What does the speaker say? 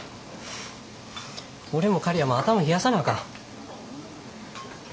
俺も刈谷も頭冷やさなあかん。